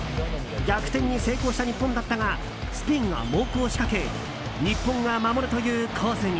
逆転に成功した日本だったがスペインが猛攻を仕掛け日本が守るという構図に。